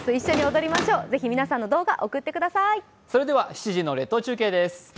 ７時の列島中継です。